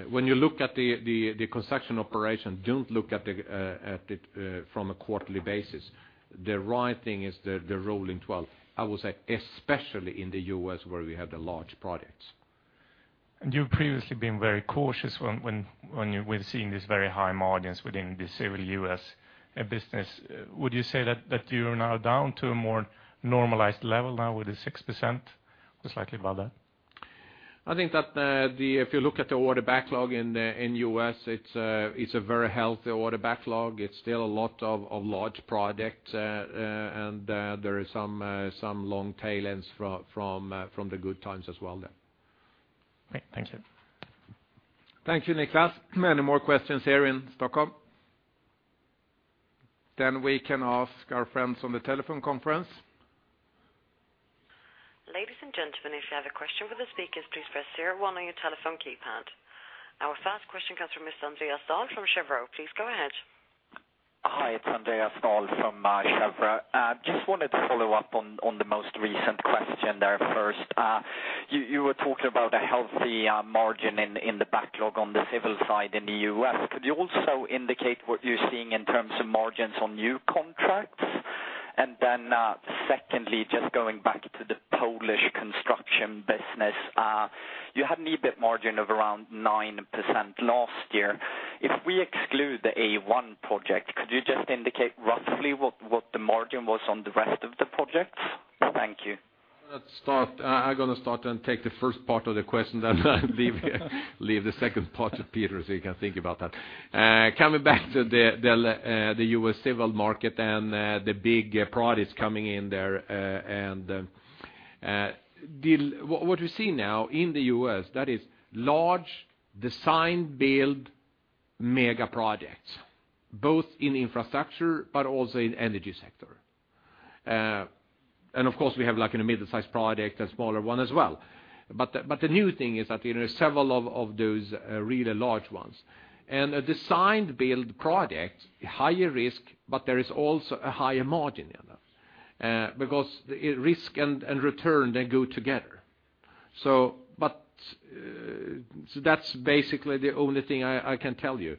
when you look at the construction operation, don't look at it from a quarterly basis. The right thing is the rolling twelve, I would say, especially in the U.S., where we have the large projects. And you've previously been very cautious when you were seeing these very high margins within the Civil US, business. Would you say that you're now down to a more normalized level now with the 6%, or slightly above that? I think that if you look at the order backlog in the U.S., it's a very healthy order backlog. It's still a lot of large projects, and there are some long tail ends from the good times as well there. Okay, thank you. Thank you, Niklas. Any more questions here in Stockholm? Then we can ask our friends on the telephone conference. Ladies and gentlemen, if you have a question for the speakers, please press zero one on your telephone keypad. Our first question comes from Mr. Andreas Ståhl from Cheuvreux. Please go ahead. Hi, it's Andreas Ståhl from Cheuvreux. Just wanted to follow up on, on the most recent question there first. You, you were talking about a healthy margin in, in the backlog on the civil side in the U.S. Could you also indicate what you're seeing in terms of margins on new contracts? And then, secondly, just going back to the Polish construction business, you had an EBIT margin of around 9% last year. If we exclude the A1 project, could you just indicate roughly what, what the margin was on the rest of the projects? Thank you. Let's start. I'm gonna start and take the first part of the question, then I'll leave the second part to Peter, so he can think about that. Coming back to the U.S. civil market and the big projects coming in there, and what we see now in the U.S., that is large design build mega projects, both in infrastructure but also in energy sector. And of course, we have, like, in a mid-sized project, a smaller one as well. But the new thing is that, you know, several of those really large ones. And a design-build project, higher risk, but there is also a higher margin in them, because risk and return, they go together. So that's basically the only thing I can tell you.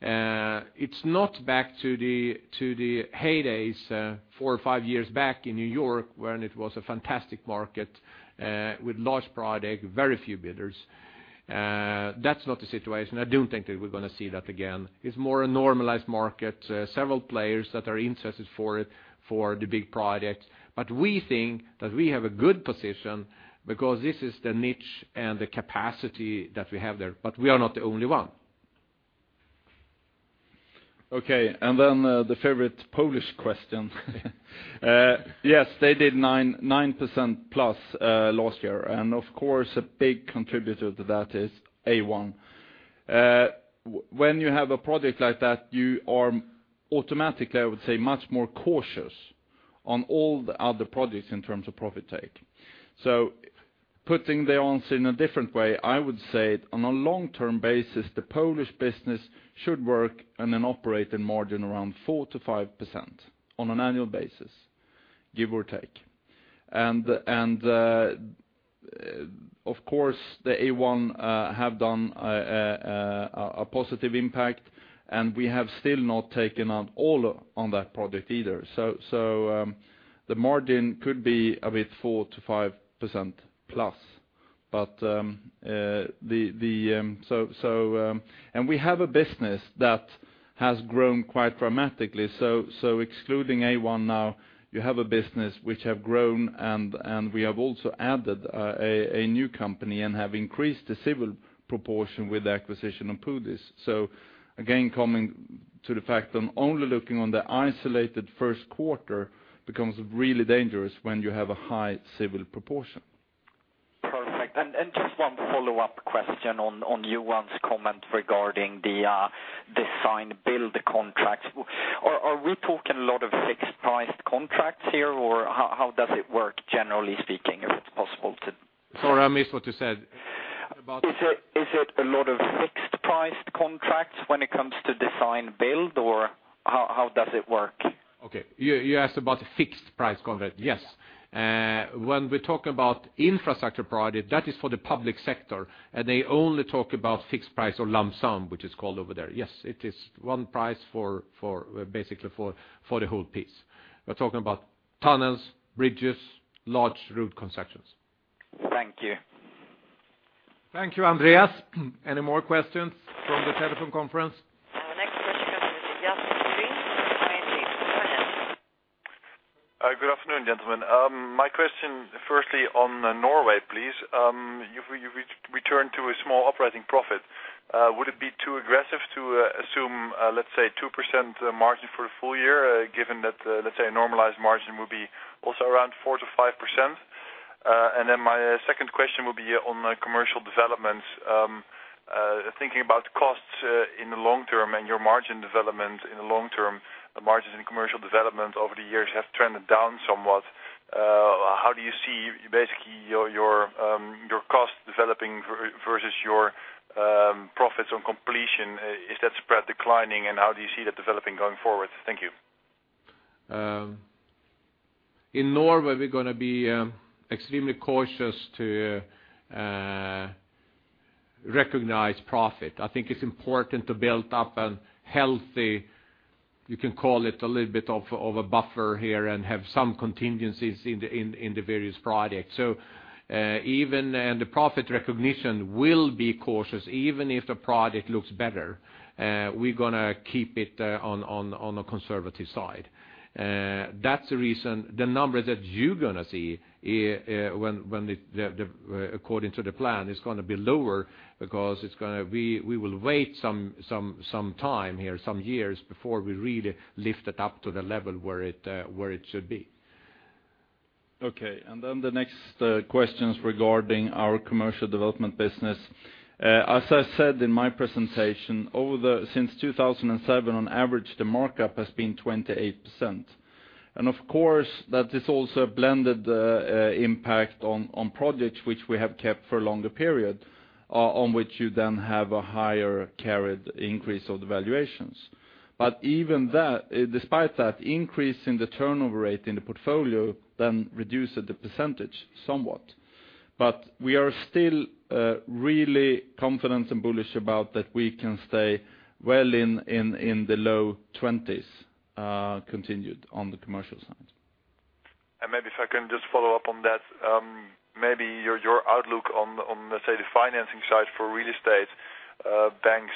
It's not back to the heydays, four or five years back in New York, when it was a fantastic market, with large project, very few bidders. That's not the situation. I don't think that we're gonna see that again. It's more a normalized market, several players that are interested for it, for the big projects. But we think that we have a good position because this is the niche and the capacity that we have there, but we are not the only one. Okay, and then, the favorite Polish question. Yes, they did 9.9%+, last year, and of course, a big contributor to that is A1. When you have a project like that, you are automatically, I would say, much more cautious on all the other projects in terms of profit take. So putting the answer in a different way, I would say, on a long-term basis, the Polish business should work on an operating margin around 4%-5% on an annual basis, give or take. And, of course, the A1 have done a positive impact, and we have still not taken out all on that project either. So, the margin could be a bit 4%-5% plus. But, and we have a business that has grown quite dramatically, so excluding A1 now, you have a business which have grown, and we have also added a new company and have increased the civil proportion with the acquisition of PUDiZ. So again, coming to the fact I'm only looking on the isolated first quarter becomes really dangerous when you have a high civil proportion. Perfect. And just one follow-up question on Johan's comment regarding the design build contracts. Are we talking a lot of fixed-priced contracts here, or how does it work, generally speaking, if it's possible to? Sorry, I missed what you said about- Is it, is it a lot of fixed-priced contracts when it comes to design build, or how, how does it work? Okay. You asked about the fixed-price contract? Yes. When we talk about infrastructure project, that is for the public sector, and they only talk about fixed price or lump sum, which is called over there. Yes, it is one price for, basically for the whole piece. We're talking about tunnels, bridges, large road constructions. Thank you. Thank you, Andreas. Any more questions from the telephone conference? Our next question comes from Mr. Green from ING. Go ahead. Good afternoon, gentlemen. My question, firstly, on Norway, please. You've returned to a small operating profit. Would it be too aggressive to assume, let's say, 2% margin for the full year, given that, let's say a normalized margin would be also around 4%-5%? And then my second question would be on the commercial developments. Thinking about costs, in the long term and your margin development in the long term, the margins in commercial development over the years have trended down somewhat. How do you see, basically, your cost developing versus your profits on completion? Is that spread declining, and how do you see that developing going forward? Thank you. In Norway, we're going to be extremely cautious to recognize profit. I think it's important to build up a healthy, you can call it a little bit of a buffer here and have some contingencies in the various projects. So, the profit recognition will be cautious. Even if the project looks better, we're gonna keep it on the conservative side. That's the reason the number that you're gonna see, according to the plan, is gonna be lower, because it's gonna, we will wait some time here, some years, before we really lift it up to the level where it should be. Okay, and then the next question is regarding our commercial development business. As I said in my presentation, since 2007, on average, the markup has been 28%. And of course, that is also a blended impact on projects which we have kept for a longer period, on which you then have a higher carried increase of the valuations. But even that, despite that increase in the turnover rate in the portfolio, then reduced the percentage somewhat. But we are still really confident and bullish about that we can stay well in the low 20s, continued on the commercial side. Maybe if I can just follow up on that, maybe your outlook on, let's say, the financing side for real estate, banks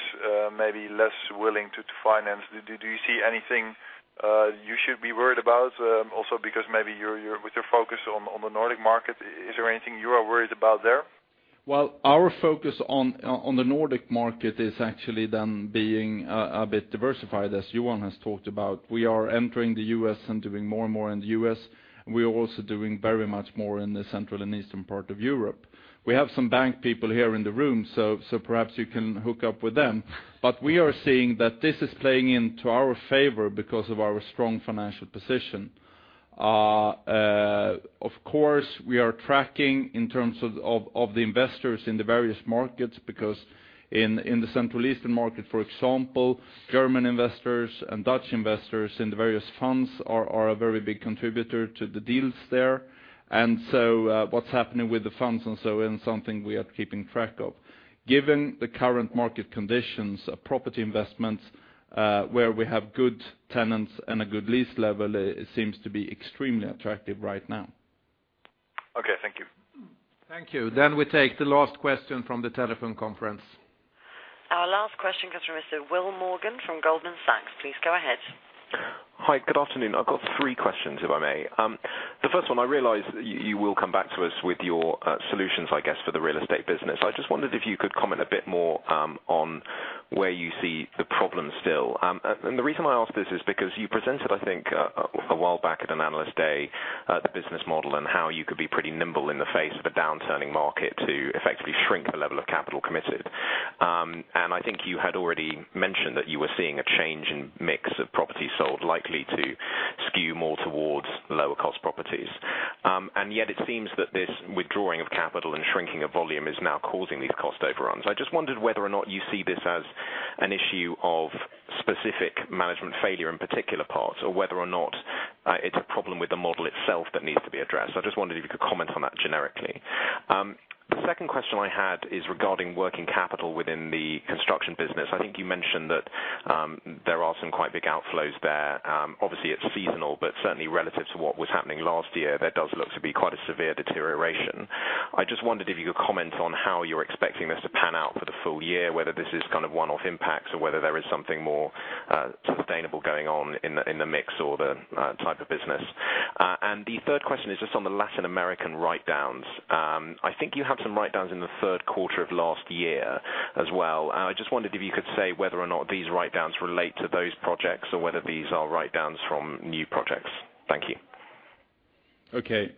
may be less willing to finance. Do you see anything you should be worried about? Also because maybe with your focus on the Nordic market, is there anything you are worried about there? Well, our focus on the Nordic market is actually then being a bit diversified, as Johan has talked about. We are entering the U.S. and doing more and more in the U.S., and we are also doing very much more in the Central and Eastern part of Europe. We have some bank people here in the room, so perhaps you can hook up with them. But we are seeing that this is playing into our favor because of our strong financial position. Of course, we are tracking in terms of the investors in the various markets, because in the Central Eastern market, for example, German investors and Dutch investors in the various funds are a very big contributor to the deals there. And so, what's happening with the funds and so on, is something we are keeping track of. Given the current market conditions, property investments, where we have good tenants and a good lease level, it seems to be extremely attractive right now. Okay, thank you. Thank you. Then we take the last question from the telephone conference. Our last question comes from Mr. Will Morgan from Goldman Sachs. Please go ahead.... Hi, good afternoon. I've got three questions, if I may. The first one, I realize you will come back to us with your solutions, I guess, for the real estate business. I just wondered if you could comment a bit more on where you see the problem still. And the reason why I ask this is because you presented, I think, a while back at an analyst day the business model and how you could be pretty nimble in the face of a down-turning market to effectively shrink the level of capital committed. And I think you had already mentioned that you were seeing a change in mix of properties sold, likely to skew more towards lower-cost properties. And yet it seems that this withdrawing of capital and shrinking of volume is now causing these cost overruns. I just wondered whether or not you see this as an issue of specific management failure in particular parts, or whether or not it's a problem with the model itself that needs to be addressed. I just wondered if you could comment on that generically. The second question I had is regarding working capital within the construction business. I think you mentioned that there are some quite big outflows there. Obviously, it's seasonal, but certainly relative to what was happening last year, there does look to be quite a severe deterioration. I just wondered if you could comment on how you're expecting this to pan out for the full year, whether this is kind of one-off impacts or whether there is something more sustainable going on in the mix or the type of business. The third question is just on the Latin American write-downs. I think you have some write-downs in the third quarter of last year as well. I just wondered if you could say whether or not these write-downs relate to those projects, or whether these are write-downs from new projects. Thank you. Okay.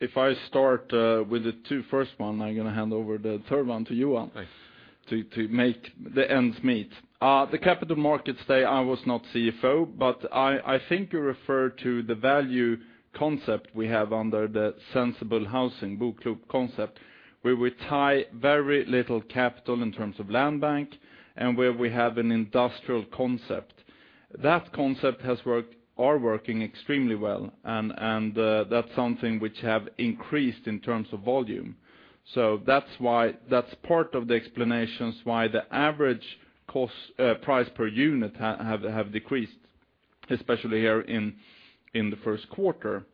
If I start with the two first one, I'm going to hand over the third one to Johan- Thanks. to make the ends meet. The Capital Markets Day, I was not CFO, but I think you refer to the value concept we have under the BoKlok concept, where we tie very little capital in terms of land bank, and where we have an industrial concept. That concept has worked... are working extremely well, and that's something which have increased in terms of volume. So that's why-- that's part of the explanations why the average cost, price per unit have decreased, especially here in the first quarter.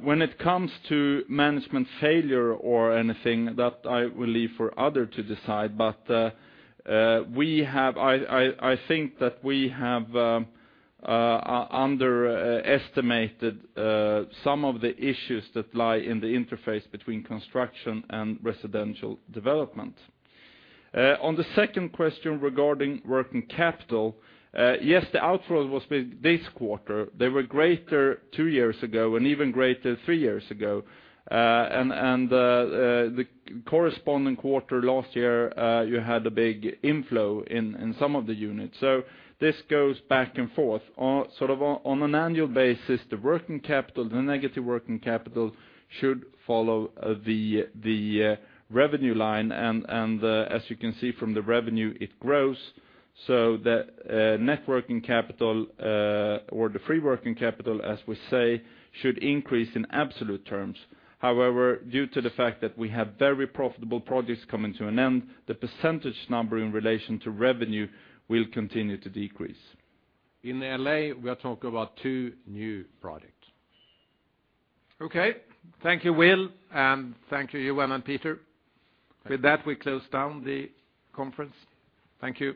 When it comes to management failure or anything, that I will leave for others to decide. But we have... I think that we have underestimated some of the issues that lie in the interface between construction and residential development. On the second question regarding working capital, yes, the outflow was with this quarter. They were greater two years ago and even greater three years ago. The corresponding quarter last year, you had a big inflow in some of the units. So this goes back and forth. On an annual basis, the working capital, the negative working capital, should follow the revenue line, and as you can see from the revenue, it grows. So the net working capital, or the free working capital, as we say, should increase in absolute terms. However, due to the fact that we have very profitable projects coming to an end, the percentage number in relation to revenue will continue to decrease. In L.A., we are talking about two new projects. Okay. Thank you, Will, and thank you, Johan and Peter. With that, we close down the conference. Thank you.